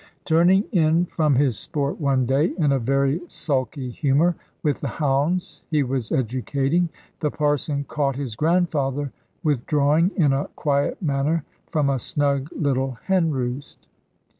Turning in from his sport one day, in a very sulky humour, with the hounds he was educating, the Parson caught his grandfather withdrawing in a quiet manner from a snug little hen roost.